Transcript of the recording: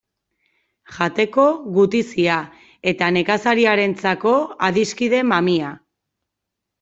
Jateko gutizia eta nekazariarentzako adiskide mamia.